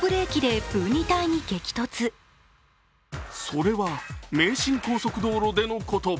それは名神高速道路でのこと。